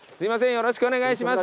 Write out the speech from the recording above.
よろしくお願いします。